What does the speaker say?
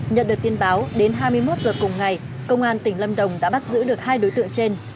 nhận được tin báo đến hai mươi một h cùng ngày công an tỉnh lâm đồng đã bắt giữ được hai đối tượng trên